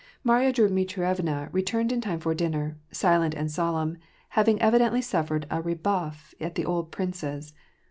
Marya Dmitrievna returned in time for dinner, silent and solemn, having evidently suffered a rebuff at the old prince's.